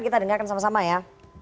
kita dengarkan sama sama ya